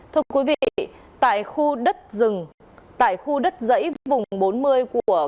thưa quý vị tại khu đất rừng tại khu đất dãy vùng bốn mươi của công an